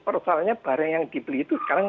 persoalannya barang yang dibeli itu sekarang